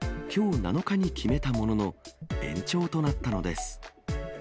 きょう７日に決めたものの、延長となったのです。